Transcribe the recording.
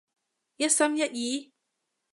一心一意？